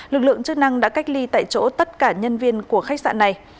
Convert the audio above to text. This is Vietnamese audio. lực lượng chức năng đã cách ly tại chỗ tất cả nhân viên của khách sạn này